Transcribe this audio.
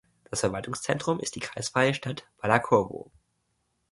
Das Verwaltungszentrum ist die kreisfreie Stadt Balakowo.